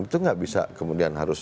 itu nggak bisa kemudian harus